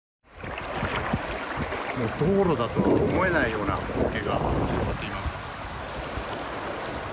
道路だとは思えないような光景が広がっています。